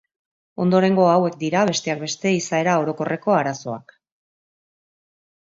Ondorengo hauek dira, besteak beste, izaera orokorreko arazoak.